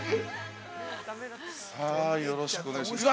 ◆さあ、よろしくお願いします。